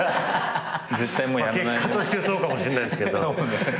結果としてそうかもしんないっすけど。